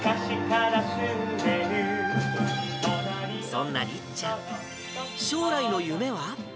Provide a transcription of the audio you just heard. そんなりっちゃん、将来の夢は？